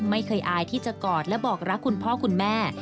อายที่จะกอดและบอกรักคุณพ่อคุณแม่